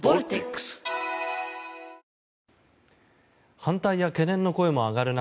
反対や懸念の声も上がる中